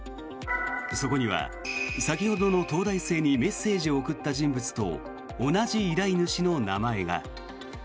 そこには先ほどの東大生にメッセージを送った人物と同じ依頼主の名前が。